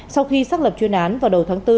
sau khi xác lập chuyên án vào đầu tháng bốn